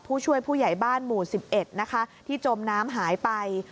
ผู้ช่วยผู้ใหญ่บ้านหมู่๑๑นะคะที่จมน้ำหายไป